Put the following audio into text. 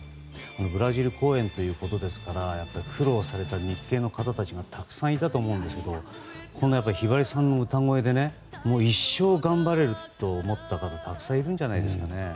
ブラジル公演ということですから苦労された日系の方たちもたくさんいたと思いますけどやっぱり、ひばりさんの歌声で一生頑張れると思った方たくさんいるんじゃないですかね。